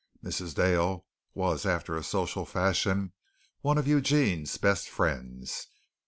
Mrs. Dale, was, after a social fashion, one of Eugene's best friends.